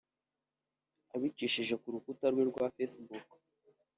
Abicishije ku rukuta rwe rwa Facebook